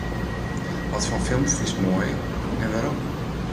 Watfoar films fynst moai en wêrom?